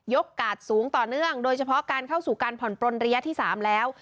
กาดสูงต่อเนื่องโดยเฉพาะการเข้าสู่การผ่อนปลนระยะที่๓แล้ว